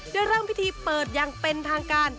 ได้เริ่มพิธีเปิดอย่างเป็นทางการ